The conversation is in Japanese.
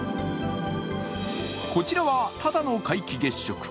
こちらは、ただの皆既月食。